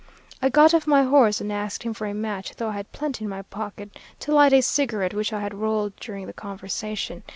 "I got off my horse and asked him for a match, though I had plenty in my pocket, to light a cigarette which I had rolled during the conversation.